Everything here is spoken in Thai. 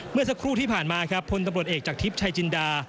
เมื่อสักครู่ที่ผ่านมาครับพลตำรวจเอกจากทิพย์ชายจินดา